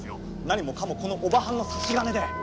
何もかもこのオバハンの差し金で。